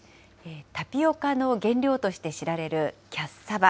タピオカの原料として知られるキャッサバ。